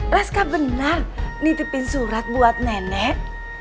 raska benar nitipin surat buat nenek